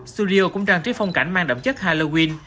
studio cũng trang trí phong cảnh mang đậm chất halloween